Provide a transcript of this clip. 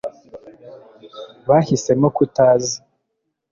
bahisemo kutaza